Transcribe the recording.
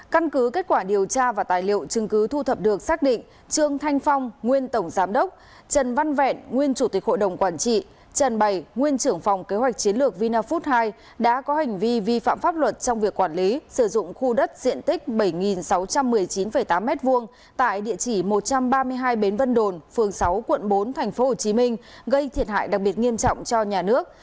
căn cứ kết quả điều tra và tài liệu chứng cứ thu thập được xác định trương thanh phong nguyên tổng giám đốc trần văn vẹn nguyên chủ tịch hội đồng quản trị trần bày nguyên trưởng phòng kế hoạch chiến lược vina food hai đã có hành vi vi phạm pháp luật trong việc quản lý sử dụng khu đất diện tích bảy sáu trăm một mươi chín tám m hai tại địa chỉ một trăm ba mươi hai bến vân đồn phường sáu quận bốn tp hcm gây thiệt hại đặc biệt nghiêm trọng cho nhà nước